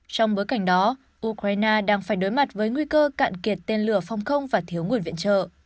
trong bối cảnh đó ukraine đang phải đối mặt với nguy cơ cạn kiệt tên lửa phòng không và thiếu nguồn viện trợ